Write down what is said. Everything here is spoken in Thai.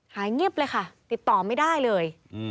หายเงียบเลยค่ะติดต่อไม่ได้เลย